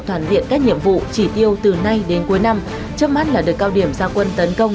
toàn diện các nhiệm vụ chỉ tiêu từ nay đến cuối năm chấp mắt là đợt cao điểm gia quân tấn công